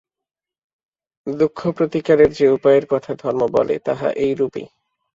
দুঃখ প্রতিকারের যে উপায়ের কথা ধর্ম বলে, তাহা এইরূপই।